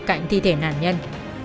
cạnh thi thể nạn nhân